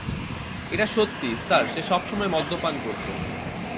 এটা সত্যি, স্যার, সে সবসময় মদ্যপান করত।